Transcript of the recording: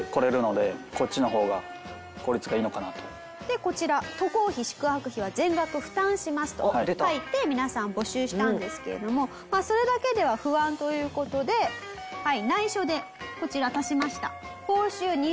でこちら渡航費宿泊費は全額負担しますと書いて皆さん募集したんですけれどもまあそれだけでは不安という事ではい内緒でこちら足しました。